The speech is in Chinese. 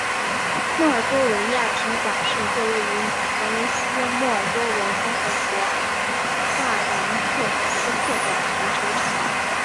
莫尔多维亚体育场是一座位于俄罗斯莫尔多瓦共和国萨兰斯克的足球场。